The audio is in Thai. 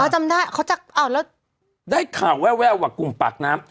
จำได้เขาจะอ้าวแล้วได้ข่าวแววว่ากลุ่มปากน้ำ